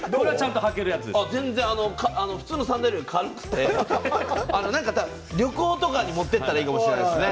普通のサンダルより軽くて旅行とかに持って行ったらいいかもしれないですね。